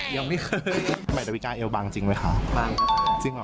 ยังไม่เคย